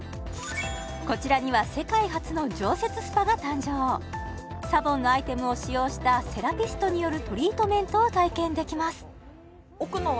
こちらには世界初の常設ＳＰＡが誕生ＳＡＢＯＮのアイテムを使用したセラピストによるトリートメントを体験できます